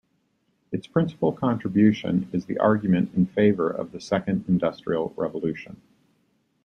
Its principal contribution is the argument in favor of the Second Industrial Revolution.